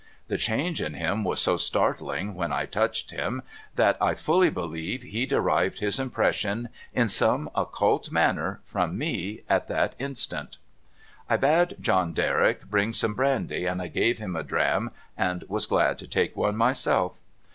The change in him was so startling, when I touched him, that I fully believe he derived his impression in some occult manner from me at that instant. I bade John Derrick bring some brandy, and I gave him a dram, and was glad to take one myself.